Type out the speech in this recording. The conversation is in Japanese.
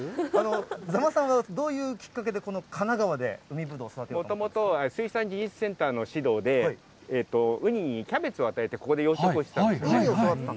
座間さんはどういうきっかけで、この神奈川で海ぶどうを育てもともと、水産技術センターの指導で、ウニにキャベツを与えてここで養殖をしてたんですね。